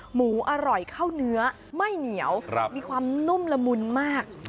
หมูอร่อยเข้าเนื้อไม่เหนียวมีความนุ่มละมุนมาก